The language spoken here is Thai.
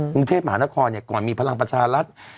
กรุงเทพฯมหานครเนี่ยก่อนมีพลังประชาธิปัตย์รัฐ